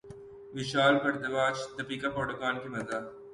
ویشال بھردواج دپیکا پڈوکون کے مداح